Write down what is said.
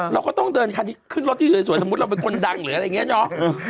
เราก็ต้องเดินคันที่ขึ้นรถที่สวยสมมุติเราเป็นคนดังหรืออะไรอย่างนี้เนาะ